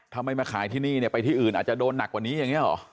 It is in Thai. ถ้าไม่มาขายที่นี่เนี่ยไปที่อื่นอาจจะโดนหนักกว่านี้อย่างนี้หรอ